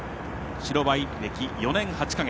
白バイ歴４年８か月。